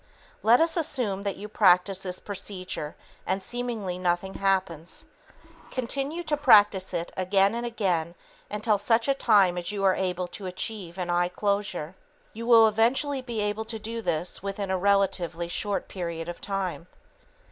Let us assume that you practice this procedure and seemingly nothing happens. Continue to practice it again and again until such time as you are able to achieve an eye closure. You will eventually be able to do this within a relatively short period of time.